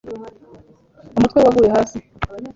umutwe we waguye hasi